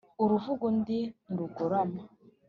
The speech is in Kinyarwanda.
uruvuga undi ntirugorama